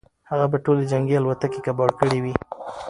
هغه به ټولې جنګي الوتکې کباړ کړې وي.